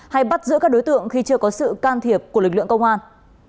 hay bắt giữ các đối tượng khi chưa có sự can thiệp của lực lượng công an